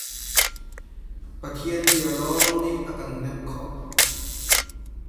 Pathian bia lawng nih a kan hnemh khawh.